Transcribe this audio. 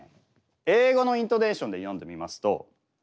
英語のイントネーションで読んでみますとこうなります。